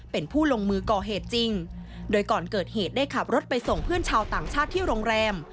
เป็นผู้ลงมือก่อเหตุจริงโดยก่อนเกิดเหตุได้ขับรถไปส่งเพื่อนชาวต่างชาติที่โรงแรม